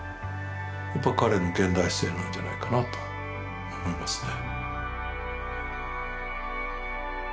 やっぱ彼の現代性なんじゃないかなと思いますね。